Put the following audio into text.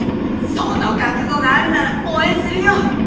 その覚悟があるなら応援するよ。